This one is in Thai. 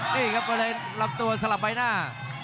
นี่ครับก็เลยลำตัวสลับใบหน้า